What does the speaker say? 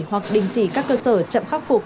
hoặc đình chỉ các cơ sở chậm khắc phục